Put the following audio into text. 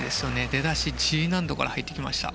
出だし、Ｇ難度から入ってきました。